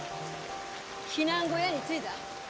避難小屋に着いだ？